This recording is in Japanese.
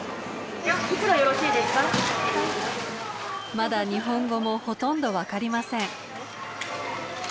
まだ日本語もほとんど分かりません。